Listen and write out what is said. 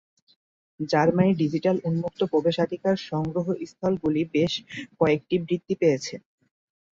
Germany digital উন্মুক্ত প্রবেশাধিকার সংগ্রহস্থল গুলি বেশ কয়েকটি বৃত্তি পেয়েছে।